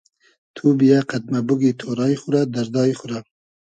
تو بییۂ قئد مۂ بوگی تۉرای خو رۂ دئردای خو رۂ